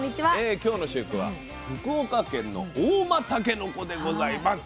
今日の主役は福岡県の合馬たけのこでございます。